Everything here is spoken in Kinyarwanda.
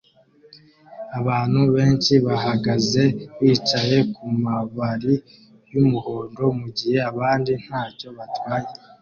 Abantu benshi bahagaze bicaye kumabari yumuhondo mugihe abandi ntacyo batwaye